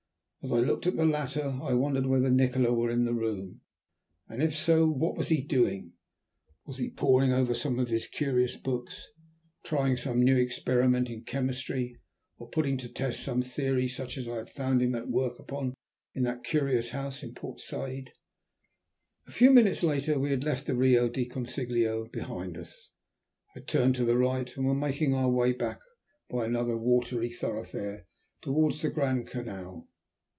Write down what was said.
As I looked at the latter I wondered whether Nikola were in the room, and if so, what he was doing? Was he poring over some of his curious books, trying some new experiment in chemistry, or putting to the test some theory such as I had found him at work upon in that curious house in Port Said? A few minutes later we had left the Rio del Consiglio behind us, had turned to the right, and were making our way back by another watery thoroughfare towards the Grand Canal.